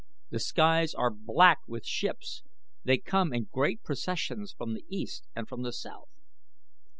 The skies are black with ships. They come in great processions from the east and from the south."